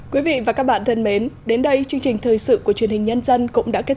quý vị và các bạn thân mến đến đây chương trình thời sự của truyền hình nhân dân cũng đã kết